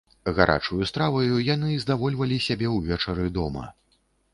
Гарачаю страваю яны здавольвалі сябе ўвечары дома.